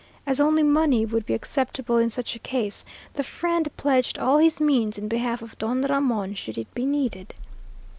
As only money would be acceptable in such a case, the friend pledged all his means in behalf of Don Ramon should it be needed.